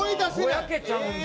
ぼやけちゃうんだ。